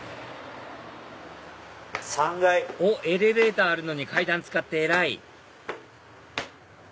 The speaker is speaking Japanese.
おっエレベーターあるのに階段使って偉い！